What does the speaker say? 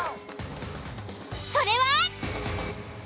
それは。